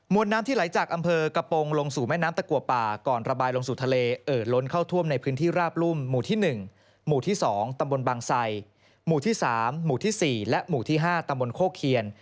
น้ำที่ไหลจากอำเภอกระโปรงลงสู่แม่น้ำตะกัวป่าก่อนระบายลงสู่ทะเลเอ่อล้นเข้าท่วมในพื้นที่ราบรุ่มหมู่ที่๑หมู่ที่๒ตำบลบางไซหมู่ที่๓หมู่ที่๔และหมู่ที่๕ตำบลโคเคียน